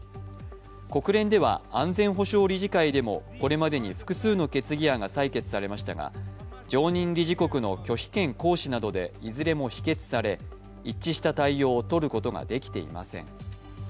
国連では安全保障理事会でもこれまでに複数の決議案が採決されましたが常任理事国の拒否権行使などでいずれも否決され、一致した対応をとることができていません。